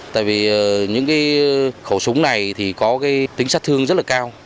tại vì những khẩu súng này có tính sát thương rất là cao